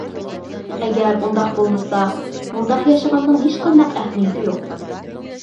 ئەگەر ئۇنداق بولمىسا، ئۇنداق ياشىغاننىڭ ھېچقانداق ئەھمىيىتى يوق.